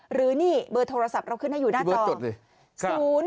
หรือนี่เบอร์โทรศัพท์เราขึ้นให้อยู่หน้าจอ